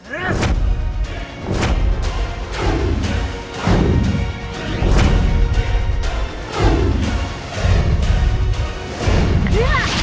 tidak thailand bersih